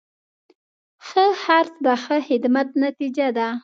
ښه خرڅ د ښه خدمت نتیجه ده.